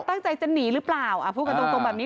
ตั้งใจจะหนีหรือเปล่าพูดกันตรงตรงแบบนี้